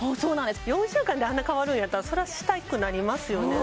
４週間であんな変わるんやったらそりゃしたくなりますよね